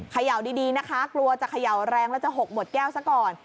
เขย่าดีนะคะกลัวจะเขย่าแรงแล้วจะหกหมดแก้วซะก่อน